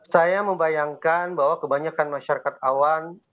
saya membayangkan bahwa kebanyakan masyarakat awam